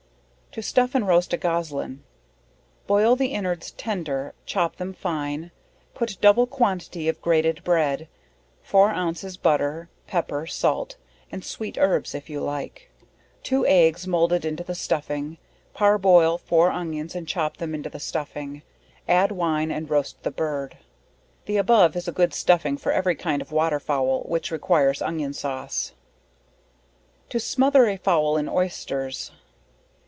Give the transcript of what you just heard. To stuff and roast a Goslin. Boil the inwards tender, chop them fine, put double quantity of grated bread, 4 ounces butter, pepper, salt, (and sweet herbs if you like) 2 eggs moulded into the stuffing, parboil 4 onions and chop them into the stuffing, add wine, and roast the bird. The above is a good stuffing for every kind of Water Fowl, which requires onion sauce. _To smother a Fowl in Oysters.